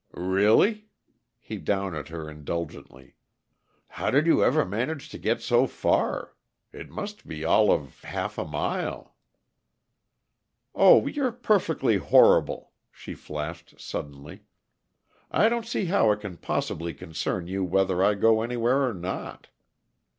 "Really?" He down at her indulgently. "How did you ever manage to get so far? It must be all of half a mile!" "Oh, you're perfectly horrible!" she flashed suddenly. "I don't see how it can possibly concern you whether I go anywhere or not."